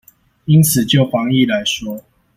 因此就防疫來說